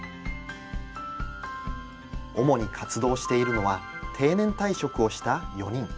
主に活動しているのは定年退職をした４人。